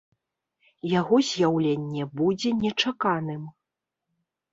Яго з'яўленне будзе нечаканым.